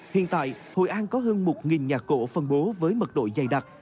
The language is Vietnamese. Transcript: hiện tại hội an có hơn một nhà cổ phân bố với mật độ dày đặc